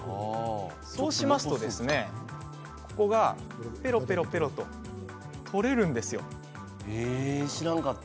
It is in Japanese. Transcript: そうしますとここがぺろぺろぺろと知らんかった。